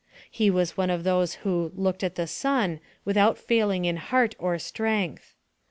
He was one of those who "looked at the sun" without failing in heart or strength.